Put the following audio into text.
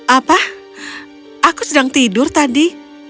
apa aku sedang tidur tadi